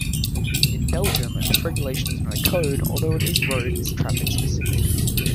In Belgium this regulation is not a code although it is road traffic specific.